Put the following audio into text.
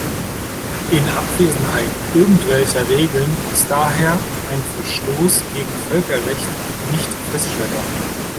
In Abwesenheit irgendwelcher Regeln ist daher ein Verstoß gegen Völkerrecht nicht feststellbar.